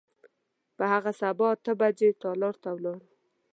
په هغه سبا اته بجې تالار ته ولاړو.